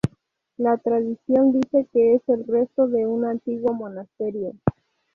La tradición dice que es el resto de un antiguo monasterio.